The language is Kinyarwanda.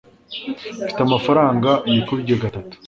mfite amafaranga yikubye gatatu